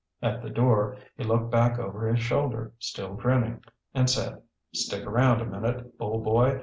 At the door, he looked back over his shoulder, still grinning, and said, "Stick around a minute, Bull boy.